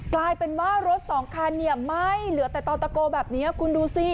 กลายเป็นว่ารถสองคันเนี่ยไหม้เหลือแต่ต่อตะโกแบบนี้คุณดูสิ